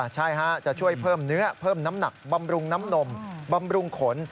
ใช่จะช่วยเพิ่มเนื้อเพิ่มน้ำหนักบำรุงน้ำนมบำรุงขน